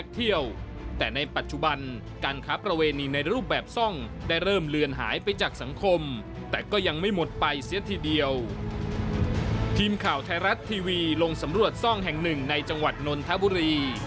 ทหารจะสำรวจซ่องแห่งหนึ่งในจังหวัดนทบุรี